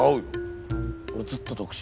俺ずっと独身。